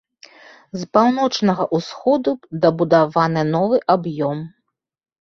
З паўночнага ўсходу дабудаваны новы аб'ём.